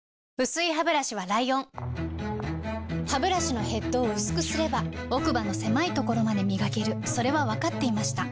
薄いハブラシはライオンハブラシのヘッドを薄くすれば奥歯の狭いところまで磨けるそれは分かっていました